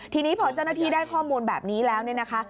ทีนี้พอเจ้าหน้าที่ได้ข้อมูลแบบนี้แล้วเนี่ยนะคะ